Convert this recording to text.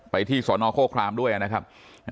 ไปที่สวนอคโครคลามด้วยนะครับ